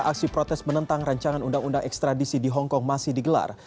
aksi protes menentang rancangan undang undang ekstradisi di hongkong masih digelar